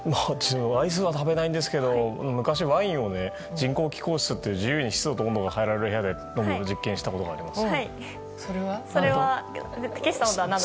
アイスは食べないんですけど昔、ワインを人工気候室で自由に温度を変えられる部屋で飲んで実験したことがあります。